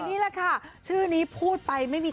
นี่แหละค่ะชื่อนี้พูดไปไม่มี